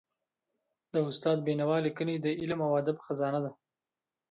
د استاد بینوا ليکني د علم او ادب خزانه ده.